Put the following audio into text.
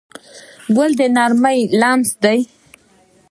ګل د نرمۍ لمس دی.